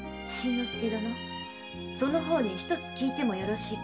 その方にひとつ訊いてもよろしいか。